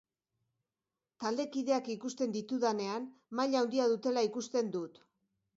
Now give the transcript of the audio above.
Taldekideak ikusten ditudanean, maila handia dutela ikusten dut.